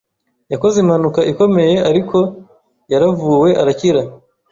Yakoze impanuka ikomeye ariko Yaravuwe arakira.